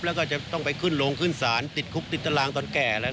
แล้วก็จะต้องไปขึ้นโรงขึ้นศาลติดคุกติดตารางตอนแก่อะไร